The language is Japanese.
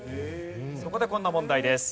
そこでこんな問題です。